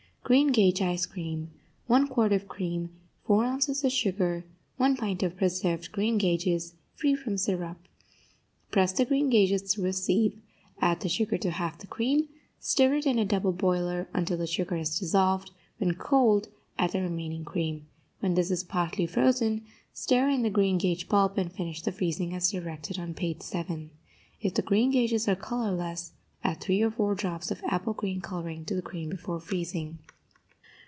GREEN GAGE ICE CREAM 1 quart of cream 4 ounces of sugar 1 pint of preserved green gages, free from syrup Press the green gages through a sieve. Add the sugar to half the cream, stir it in a double boiler until the sugar is dissolved; when cold, add the remaining cream. When this is partly frozen, stir in the green gage pulp, and finish the freezing as directed on page 7. If the green gages are colorless, add three or four drops of apple green coloring to the cream before freezing.